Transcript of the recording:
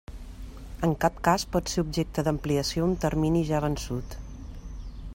En cap cas pot ser objecte d'ampliació un termini ja vençut.